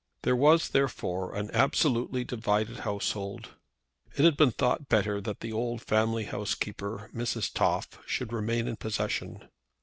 There was, therefore, an absolutely divided household. It had been thought better that the old family housekeeper, Mrs. Toff, should remain in possession.